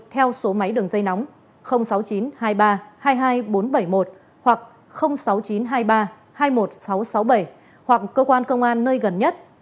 theo số máy đường dây nóng sáu mươi chín hai mươi ba hai mươi hai nghìn bốn trăm bảy mươi một hoặc sáu mươi chín hai mươi ba hai mươi một nghìn sáu trăm sáu mươi bảy hoặc cơ quan công an nơi gần nhất